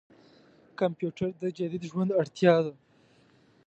کمپيوټر د جديد ژوند اړتياده.